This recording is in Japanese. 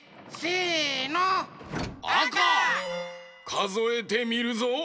かぞえてみるぞ。